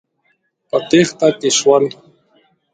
په تېښته کې شول.